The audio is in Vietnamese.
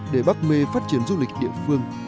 để bắc mê phát triển du lịch địa phương